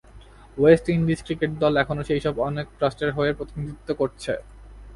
West Indies cricket দল এখনও সেই সব অনেক রাষ্ট্রের হয়ে প্রতিনিধিত্ব করছে।